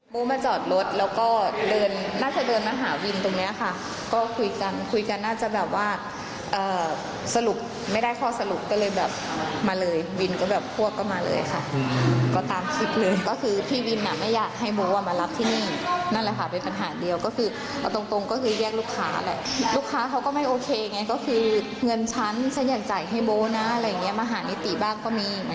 โบ๊มาจอดรถแล้วก็เดินน่าจะเดินมาหาวินตรงเนี้ยค่ะก็คุยกันคุยกันน่าจะแบบว่าสรุปไม่ได้ข้อสรุปก็เลยแบบมาเลยวินก็แบบพวกก็มาเลยค่ะก็ตามคลิปเลยก็คือพี่วินอ่ะไม่อยากให้โบ๊อ่ะมารับที่นี่นั่นแหละค่ะเป็นปัญหาเดียวก็คือเอาตรงตรงก็คือแยกลูกค้าแหละลูกค้าเขาก็ไม่โอเคไงก็คือเงินฉันฉันอยากจ่ายให้โบ๊นะอะไรอย่างเงี้มาหานิติบ้างก็มี